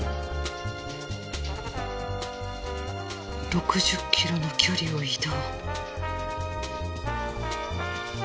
６０キロの距離を移動。